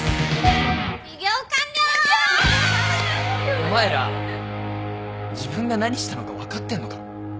お前ら自分が何したのか分かってんのか？